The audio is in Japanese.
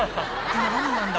何なんだ